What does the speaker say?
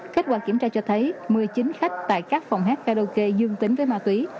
kết quả kiểm tra cho thấy một mươi chín khách tại các phòng hát karaoke dương tính với ma túy